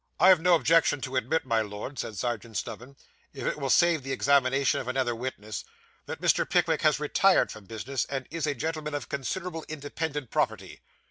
'I have no objection to admit, my Lord,' said Serjeant Snubbin, 'if it will save the examination of another witness, that Mr. Pickwick has retired from business, and is a gentleman of considerable independent property.